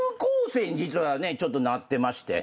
実はちょっとなってまして。